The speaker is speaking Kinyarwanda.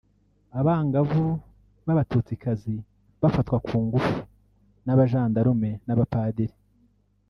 abangavu b’abatutsikazi bafatwa ku ngufu n’abajendarume n’abapadiri